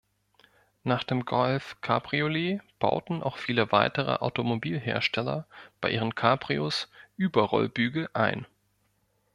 Nach dem Golf Cabriolet bauten auch viele weitere Automobilhersteller bei ihren Cabrios Überrollbügel ein.